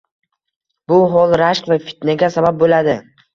Bu hol rashk va fitnaga sabab bo‘ladi.